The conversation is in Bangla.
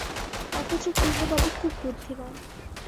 অথচ পূর্ণবাবু খুব বুদ্ধিমান।